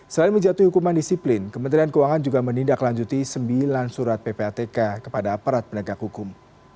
selain menjatuhi hukuman disiplin kementerian keuangan juga menindaklanjuti sembilan surat ppatk kepada aparat penegak hukum